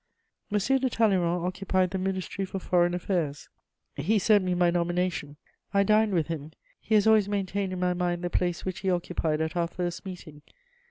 M. de Talleyrand occupied the Ministry for Foreign Affairs; he sent me my nomination. I dined with him: he has always maintained in my mind the place which he occupied at our first meeting.